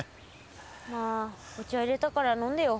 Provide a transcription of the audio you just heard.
まあお茶いれたから飲んでよ。